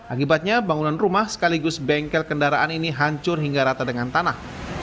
akibatnya bangunan rumah sekaligus bengkel kendaraan ini hancur hingga rata dengan tanah